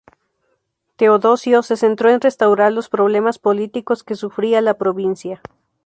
Teodosio se centró en restaurar los problemas políticos que sufría la provincia.